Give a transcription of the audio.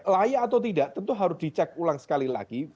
layak atau tidak tentu harus dicek ulang sekali lagi